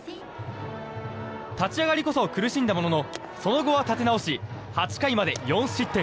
立ち上がりこそ苦しんだもののその後は立て直し８回まで４失点。